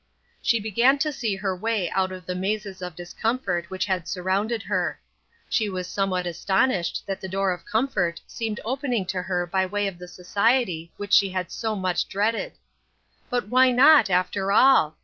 She began to see her way out of the mazes of discomfort which had surrounded her. She was somewhat astonished that the door of comfort seemed opening to her by way of the society which she had so much dreaded. But why not, after all